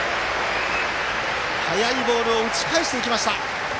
速いボールを打ち返していきました。